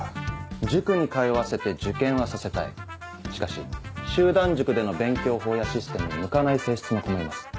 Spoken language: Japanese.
塾に通わせて受験はさせたいしかし集団塾での勉強法やシステムに向かない性質の子もいます。